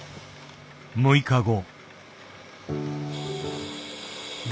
６日後。